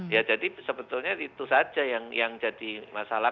ya jadi sebetulnya itu saja yang jadi masalah